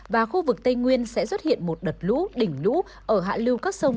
và khu vực tây nguyên sẽ xuất hiện một đợt lũ đỉnh lũ ở hạ lưu các sông